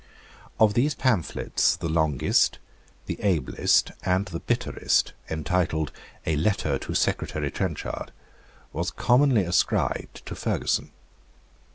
Of these pamphlets the longest, the ablest, and the bitterest, entitled a Letter to Secretary Trenchard, was commonly ascribed to Ferguson.